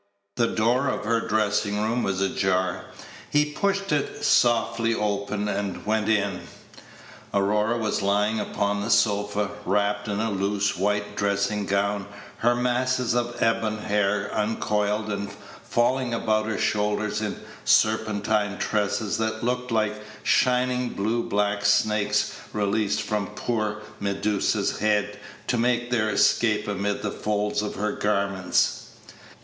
The door of her dressing room was ajar; he pushed it softly open, and went in. Aurora was lying upon the sofa, wrapped in a loose white dressing gown, her masses of ebon hair uncoiled and falling about her shoulders in serpentine tresses that looked like shining blue black snakes released from poor Medusa's head to make their escape amid the folds of her garments.